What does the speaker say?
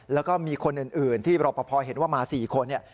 แล้วก็มีคนอื่นที่เราพอเห็นว่ามา๔คน